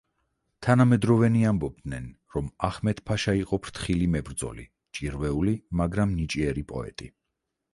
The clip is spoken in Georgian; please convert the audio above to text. თანამედროვენი ამბობდნენ, რომ აჰმედ-ფაშა იყო ფრთხილი მებრძოლი, ჭირვეული, მაგრამ ნიჭიერი პოეტი.